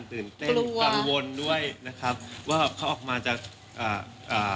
ตื่นเต้นกังวลด้วยนะครับว่าเขาออกมาจากอ่าอ่า